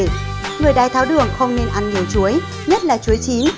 người đài tháo đường không nên ăn nhiều chuối nhất là chuối chín